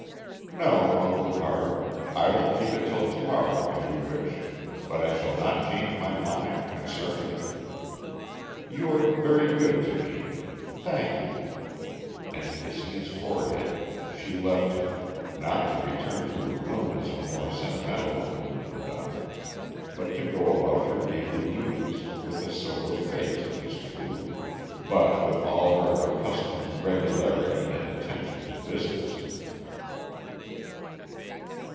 "No, Uncle Carter. I will keep it till to morrow, if you wish, but I shall not change my mind concerning it. You are very good to me. Thank you;" and kissing his forehead, she left him, not to return to her room as a more sentimental woman would have done, but to go about her daily duties, with a sober face, it is true, but with all her accustomed regularity and attention to business.